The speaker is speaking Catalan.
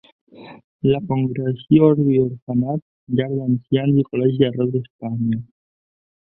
La congregació obrí orfenats, llars d'ancians i col·legis arreu d'Espanya.